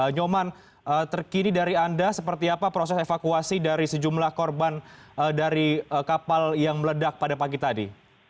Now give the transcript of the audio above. nyoman terkini dari anda seperti apa proses evakuasi dari sejumlah korban dari kapal yang meledak pada pagi tadi